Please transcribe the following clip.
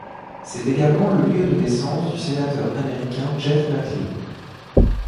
C'est également le lieu de naissance du sénateur américain Jeff Merkley.